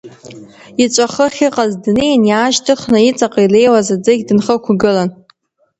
Иҵәахы ахьыҟаз днеин, иаашьҭыхны, иҵаҟа илеиуаз аӡыхь дынхықәгылан…